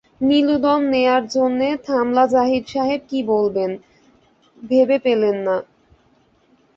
নীলুদম নেয়ার জন্যে থামলা জাহিদ সাহেব কী বলবেন, তেবে পেলেন না।